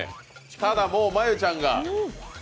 ただ、もう真悠ちゃんが。